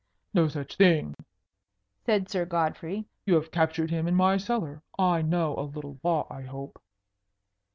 "No such thing," said Sir Godfrey. "You have captured him in my cellar. I know a little law, I hope."